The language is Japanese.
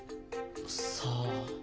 さあ？